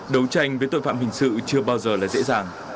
đấu tranh với tội phạm hình sự chưa bao giờ là dễ dàng